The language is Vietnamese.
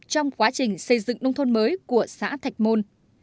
trong quá trình xây dựng nông thôn mới của xã thạch môn